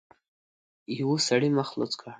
يوه سړي مخ لوڅ کړ.